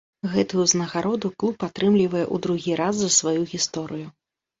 Гэтую ўзнагароду клуб атрымлівае ў другі раз за сваю гісторыю.